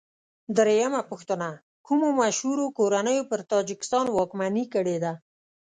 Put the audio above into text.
درېمه پوښتنه: کومو مشهورو کورنیو پر تاجکستان واکمني کړې ده؟